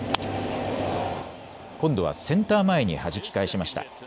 今度はセンター前にはじき返しました。